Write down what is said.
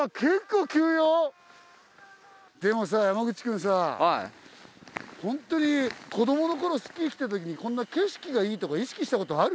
でも山口くんさホントに子どもの頃スキー来た時にこんな景色がいいとか意識したことある？